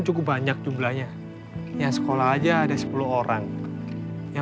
aku tidak pernah memilikinya